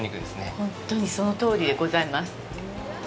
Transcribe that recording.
ほんとにそのとおりでございます。